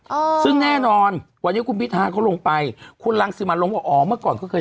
โอซึ่งแน่นอนวันนี้คุณพิทาเขาลงไปคุณรังสิมันลงว่าอังกษัยเขาเกิดใช้ชีวิตอยู่ที่สุด